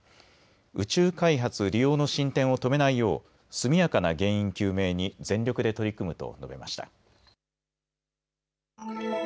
宇宙開発、利用の進展を止めないよう速やかな原因究明に全力で取り組むと述べました。